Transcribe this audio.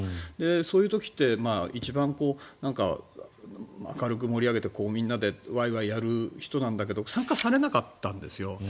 そういう時って、一番盛り上げてみんなでワイワイやる人なんですけど参加されなかったんですよ。